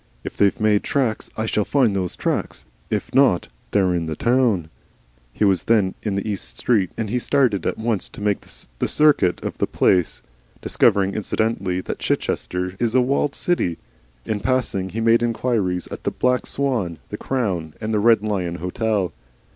"If they've made tracks, I shall find those tracks. If not they're in the town." He was then in East Street, and he started at once to make the circuit of the place, discovering incidentally that Chichester is a walled city. In passing, he made inquiries at the Black Swan, the Crown, and the Red Lion Hotel.